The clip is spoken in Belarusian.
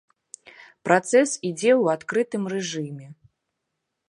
Працэс ідзе ў адкрытым рэжыме.